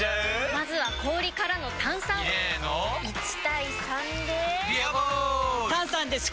まずは氷からの炭酸！入れの１：３で「ビアボール」！